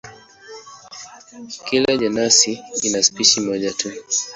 Kila jenasi ina spishi moja tu.